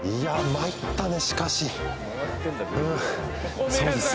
参ったねしかし。